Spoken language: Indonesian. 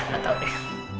gak tau deh